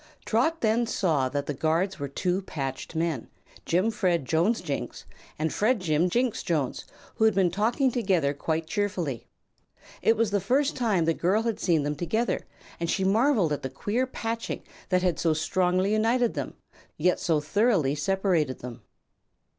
Trot then saw that the guards were the two patched men, Jimfred Jonesjinks and Fredjim Jinksjones, who had been talking together quite cheerfully. It was the first time the girl had seen them together and she marveled at the queer patching that had so strongly united them, yet so thoroughly separated them.